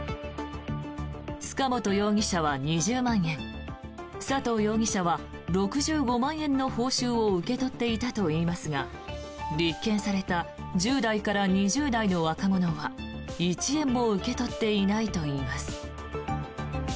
塚本容疑者は２０万円佐藤容疑者は６５万円の報酬を受け取っていたといいますが立件された１０代から２０代の若者は１円も受け取っていないといいます。